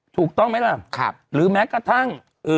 ถูกต้องไหมล่ะหรือแม้กระทั่ง